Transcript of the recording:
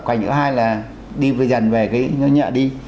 còn cái thứ hai là đi dần về cái nhà đi